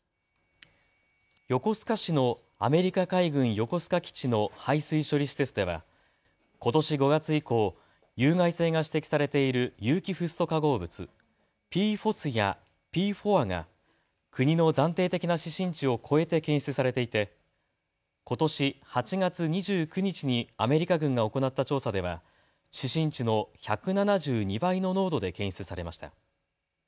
横須賀市のアメリカ海軍横須賀基地の排水処理施設ではことし５月以降、有害性が指摘されている有機フッ素化合物、ＰＦＯＳやＰＦＯＡが国の暫定的な指針値を超えて検出されていてことし８月２９日にアメリカ軍が行った調査では指針値の１７２倍の濃度で検出されました。